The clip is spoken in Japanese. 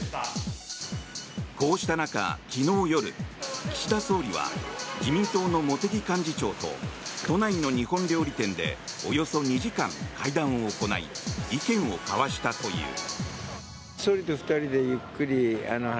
こうした中、昨日夜岸田総理は自民党の茂木幹事長と都内の日本料理店でおよそ２時間、会談を行い意見を交わしたという。